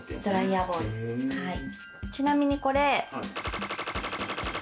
ちなみにこれ。